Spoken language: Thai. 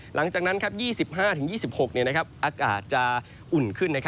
หลังจากนั้น๒๕๒๖อากาศจะอุ่นขึ้น